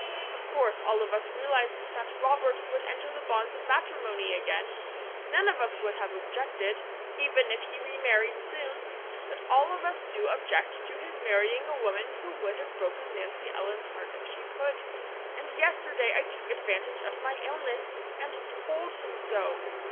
Of course all of us realized that Robert would enter the bonds of matrimony again; none of us would have objected, even if he remarried soon; but all of us do object to his marrying a woman who would have broken Nancy Ellen's heart if she could; and yesterday I took advantage of my illness, and TOLD him so.